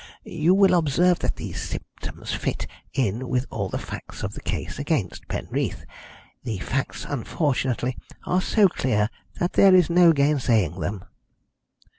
You will observe that these symptoms fit in with all the facts of the case against Penreath. The facts, unfortunately, are so clear that there is no gainsaying them."